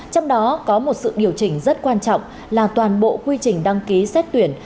trong đó có một sự điều chỉnh rất quan trọng là toàn bộ quy trình đăng ký xét tuyển